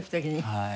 はい。